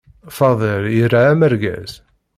Fadil ira amergaz.